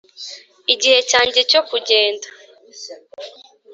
igihe cyanjye cyo kugenda.